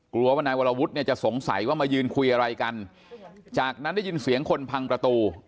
กลัวว่านายวรวุฒิเนี่ยจะสงสัยว่ามายืนคุยอะไรกันจากนั้นได้ยินเสียงคนพังประตู